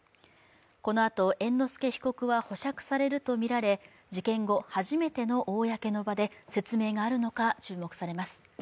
このあと、猿之助被告は保釈されるとみられ、事件後初めての公の場で説明があるのか注目されます。